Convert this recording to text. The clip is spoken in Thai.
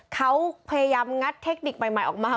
เขาพยายามงัดเทคนิคใหม่ออกมา